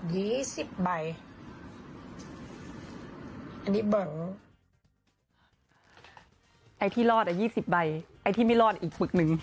ยี่สิบใบอันนี้เบิร์นไอ้ที่รอดอ่ะยี่สิบใบไอ้ที่ไม่รอดอีกปึกนึง